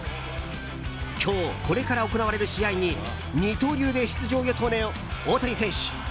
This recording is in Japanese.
今日これから行われる試合に二刀流で出場予定の大谷選手。